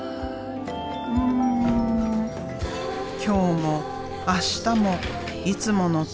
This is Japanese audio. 今日も明日もいつものとおり。